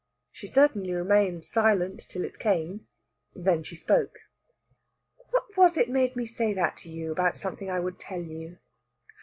She certainly remained silent till it came; then she spoke. "What was it made me say that to you about something I would tell you?